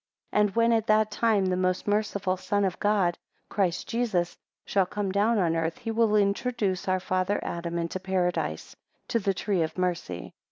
8 And when at that time the most merciful Son of God, Christ Jesus, shall come down on earth, he will introduce our father Adam into Paradise, to the tree of mercy.